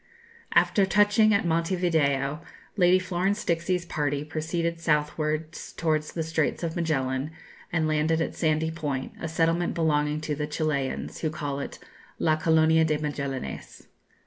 " After touching at Monte Video, Lady Florence Dixie's party proceeded southwards to the Straits of Magellan, and landed at Sandy Point, a settlement belonging to the Chilians, who call it "La Colonia de Magellanes."